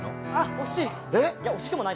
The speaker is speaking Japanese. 惜しい！